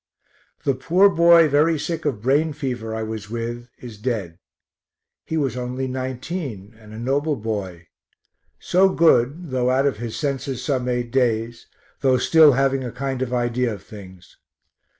The poor boy very sick of brain fever I was with, is dead; he was only 19 and a noble boy, so good though out of his senses some eight days, though still having a kind of idea of things.